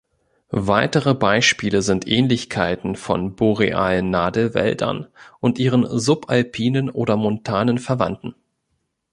Weitere Beispiele sind Ähnlichkeiten von borealen Nadelwäldern und ihren subalpinen oder montanen Verwandten.